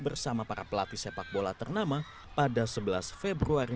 bersama para pelatih sepak bola ternama pada sebelas februari